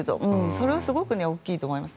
それはすごく大きいと思います。